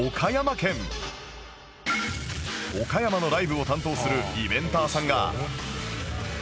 岡山のライブを担当するイベンターさんが